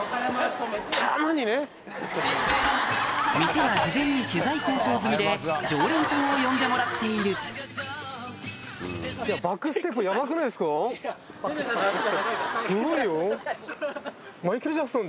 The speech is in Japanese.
店は事前に取材交渉済みで常連さんを呼んでもらっているすごいよ。